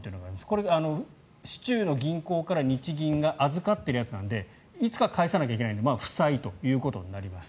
これは市中の銀行から日銀が預かっているやつなのでいつか返さなきゃいけないので負債となります。